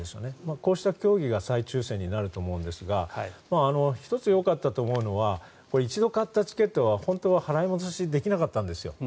こうした競技が再抽選になると思うのですが１つ、弱かったと思うのは一度買ったチケットは本当は払い戻しできなかったんですよ。